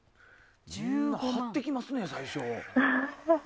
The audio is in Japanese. みんな張ってきますね、最初。